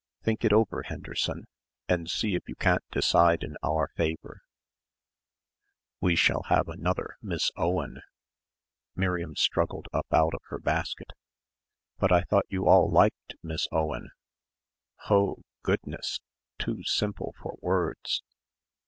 "Think it over, Henderson, and see if you can't decide in our favour." "We shall have another Miss Owen." Miriam struggled up out of her basket. "But I thought you all liked Miss Owen!" "Ho! Goodness! Too simple for words."